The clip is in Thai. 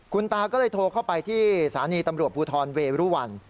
คุณตาก็เลยโทรเข้าไปที่สถานีตำรวจภูทรเวรุวัน